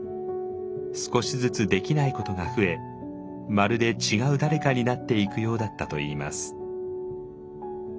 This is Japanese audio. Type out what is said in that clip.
少しずつできないことが増えまるで違う誰かになっていくようだったといいます。